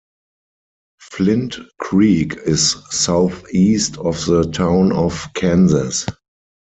Flint Creek is southeast of the town of Kansas.